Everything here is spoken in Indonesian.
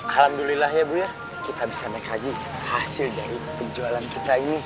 alhamdulillah ya bu ya kita bisa mengkaji hasil dari penjualan kita ini